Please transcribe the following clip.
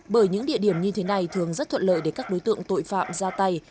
bởi những địa điểm như thế này thường rất thuận lợi để các đối tượng tội phạm ra tay